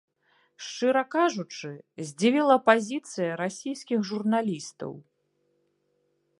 Шчыра кажучы, здзівіла пазіцыя расійскіх журналістаў.